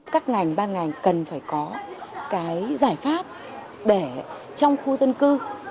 các ngành ban ngành cần phải có cái giải pháp để trong khu dân cư